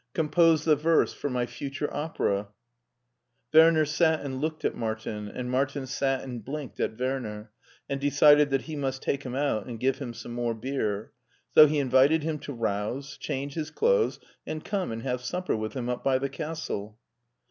Compose the verse for my future opera !" Werner sat and looked at Martin, and Martin sat and blinked at Werner, and decided that he must take him out and give him some more beer, so he invited him to rouse, change his clothes, and come and have supper with him up by the castle.